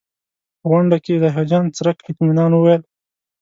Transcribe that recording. په غونډه کې ظاهرجان څرک اطمنان وویل.